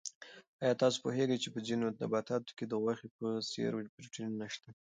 آیا تاسو پوهېږئ چې په ځینو نباتاتو کې د غوښې په څېر پروټین شته؟